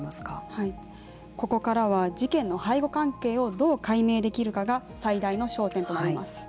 ここからは事件の背後関係をどう解明できるかが最大の焦点となります。